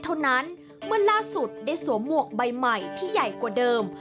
เท่านั้นเมื่อล่าสุดได้สวมหมวกใบใหม่ที่ใหญ่กว่าเดิม